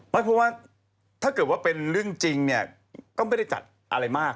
เพราะว่าถ้าเกิดว่าเป็นเรื่องจริงเนี่ยก็ไม่ได้จัดอะไรมาก